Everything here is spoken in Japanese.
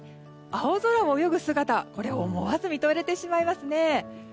青空を泳ぐ姿思わず見とれてしまいますね。